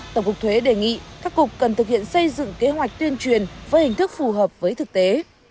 tổng cục thuế đề nghị các cục cần thực hiện xây dựng kế hoạch tuyên truyền với hình thức phù hợp với thực tế